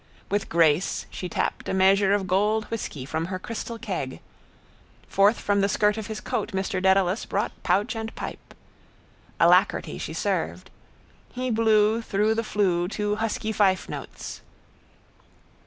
With grace she tapped a measure of gold whisky from her crystal keg. Forth from the skirt of his coat Mr Dedalus brought pouch and pipe. Alacrity she served. He blew through the flue two husky fifenotes.